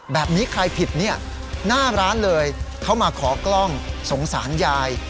แบบนี้ใครผิดเนี่ยหน้าร้านเลยเขามาขอกล้องสงสารยาย